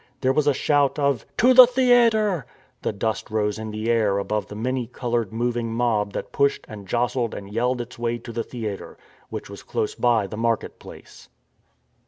There was a shout of " To the theatre." The dust rose in the air above the many coloured moving mob that pushed and jostled and yelled its way to the theatre, which was close by the market place.